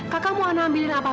kakak mau anak ambilin apa